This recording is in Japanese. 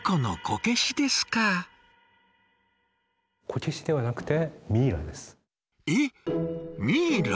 こけしではなくてえっミイラ？